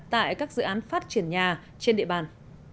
tại các dự án phát triển nhà trên địa bàn